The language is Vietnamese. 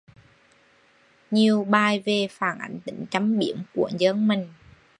Nhiều bài vè phản ảnh tính châm biếm của dân mình